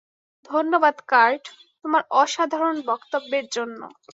ধন্যবাদ কার্ট, তোমার অসাধারণ বক্তব্যের জন্য।